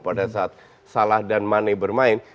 pada saat salah dan mane bermain